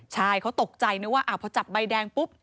ใช่เขาตกใจนึกว่าพอจับใบแดงปุ๊บ